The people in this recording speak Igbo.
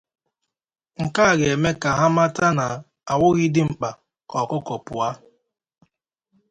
Nke a ga-eme ka ha mata na a nwụghị dimkpa ka ọkụkọ pụa.